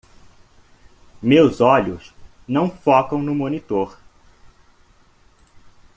Meu olhos não focam no monitor.